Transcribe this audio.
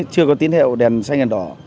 chưa có tín hiệu đèn xanh đèn đỏ